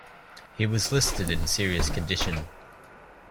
He was listed in serious condition.